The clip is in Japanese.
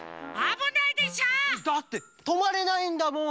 だってとまれないんだもん。